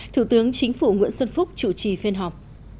thủ tướng chính phủ nguyễn xuân phúc chủ trì phiên họp